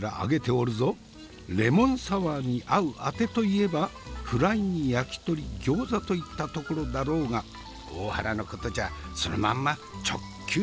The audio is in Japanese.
レモンサワーに合うあてといえばフライに焼き鳥餃子といったところだろうが大原のことじゃそのまんま直球勝負ってことはあるまい。